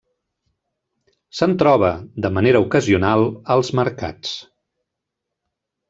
Se'n troba, de manera ocasional, als mercats.